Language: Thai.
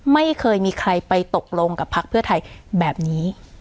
ไม่เคยมีใครไปตกลงกับพักเพื่อไทยแบบนี้